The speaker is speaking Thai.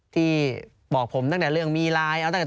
ที่บอกผมตั้งแต่เรื่องมีไลน์